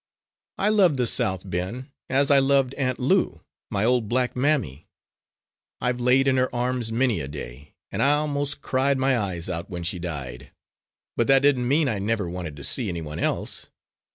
"I love the South, Ben, as I loved Aunt Lou, my old black mammy. I've laid in her arms many a day, and I 'most cried my eyes out when she died. But that didn't mean that I never wanted to see any one else.